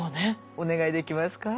お願いできますか？